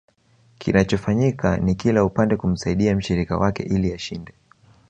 Kinachofanyika ni kila upande kumsaidia mshirika wake ili ashinde